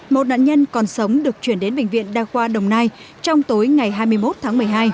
một nạn nhân còn sống được chuyển đến bệnh viện đa khoa đồng nai trong tối ngày hai mươi một tháng một mươi hai